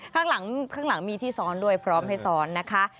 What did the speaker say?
ข้างหลังมีที่ซ้อนด้วยพร้อมให้ซ้อนนะคะ